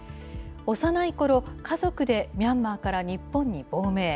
幼いころ、家族でミャンマーから日本に亡命。